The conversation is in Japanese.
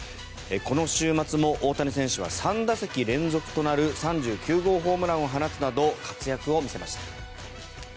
この週末も大谷選手は３打席連続となる３９号ホームランを放つなど活躍を見せました。